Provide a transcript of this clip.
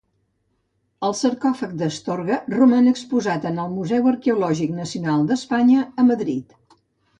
El Sarcòfag d'Astorga roman exposat en el Museu Arqueològic Nacional d'Espanya a Madrid.